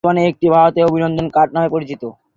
বর্তমানে এটি ভারতে "অভিনন্দন কাট" নামে পরিচিত।